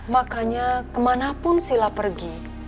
makanya kemanapun sila pergi